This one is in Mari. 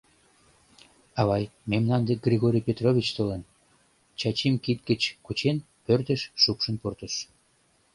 — Авай, мемнан дек Григорий Петрович толын, Чачим кид гыч кучен, пӧртыш шупшын пуртыш.